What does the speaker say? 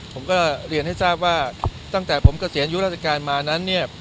ผมก็เรียนให้ทราบว่าตั้งแต่ผมเกษียณอายุราชการมานั้นเนี่ย